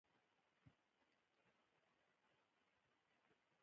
افغانستان تر هغو نه ابادیږي، ترڅو درواغ ویل شرم وي.